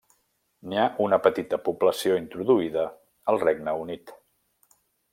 N'hi ha una petita població introduïda al Regne Unit.